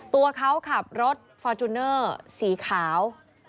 ตัวเขาขับรถฟอร์จูเนอร์สีขาว